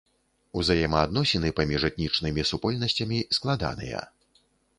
Узаемаадносіны паміж этнічнымі супольнасцямі складаныя.